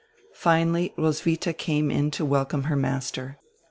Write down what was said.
Finally Roswitha came in to welcome her master.